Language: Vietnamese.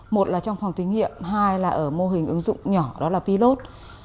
một là trong phòng thí nghiệm hai là ở mô hình ứng dụng nhỏ đó là pilot